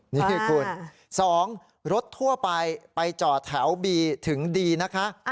นี่คือคุณ๒รถทั่วไปไปจอดแถวบีถึงดีนะคะ